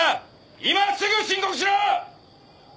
今すぐ申告しろ！